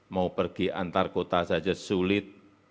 mau pergi antar kota saja sulit